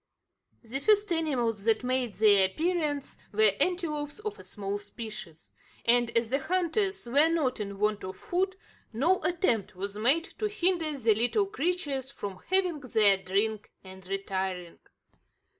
The first animals that made their appearance were antelopes of a small species; and, as the hunters were not in want of food, no attempt was made to hinder the little creatures from having their drink and retiring.